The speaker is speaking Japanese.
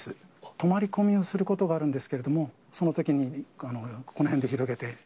泊まり込みをすることがあるんですけど、そのときにこの辺で広げて。